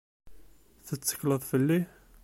Tettekleḍ fell-i?